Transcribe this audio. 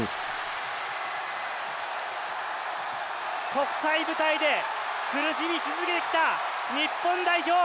国際舞台で、苦しみ続けてきた日本代表。